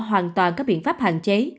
hoàn toàn các biện pháp hạn chế